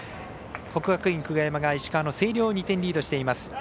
国学院久我山が石川の星稜を２点リードしています。